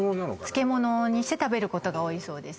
漬物にして食べることが多いそうです